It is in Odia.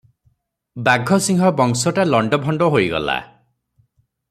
ବାଘସିଂହ ବଂଶଟା ଲଣ୍ତଭଣ୍ତ ହୋଇଗଲା ।